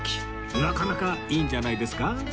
なかなかいいんじゃないですか？